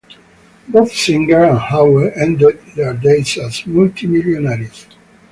Both Singer and Howe ended their days as multi-millionaires.